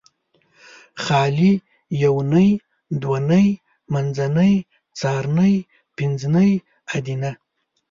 خالي یونۍ دونۍ منځنۍ څارنۍ پنځنۍ ادینه